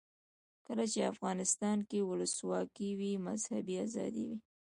کله چې افغانستان کې ولسواکي وي مذهبي آزادي وي.